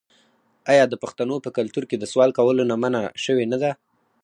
آیا د پښتنو په کلتور کې د سوال کولو نه منع شوې نه ده؟